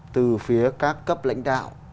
từ phía các cấp lãnh đạo